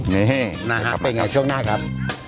นี่นะฮะเป็นไงช่วงหน้าครับ